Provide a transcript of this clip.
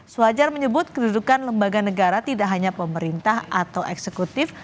sewajar menyebut kedudukan lembaga negara tidak hanya pemerintah atau eksekutif